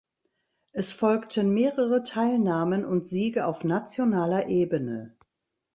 Es folgten mehrere Teilnahmen und Siege auf Nationaler Ebene.